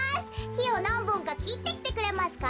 きをなんぼんかきってきてくれますか？